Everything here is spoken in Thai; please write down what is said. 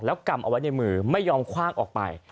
กำเอาไว้ในมือไม่ยอมคว่างออกไป